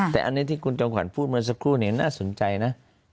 แต่อันนี้ที่คุณจอมขวัญพูดเมื่อสักครู่น่าสนใจนะ